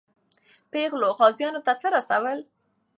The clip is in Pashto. پېغلې غازیانو ته څه رسول؟